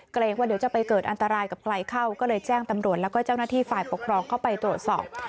เกรงว่าเดี๋ยวจะไปเกิดอันตรายกับใครเข้าก็เลยแจ้งตำรวจแล้วก็เจ้าหน้าที่ฝ่ายปกครองเข้าไปตรวจสอบ